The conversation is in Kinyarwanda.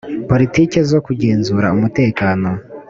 politiki zo kugenzura umutekano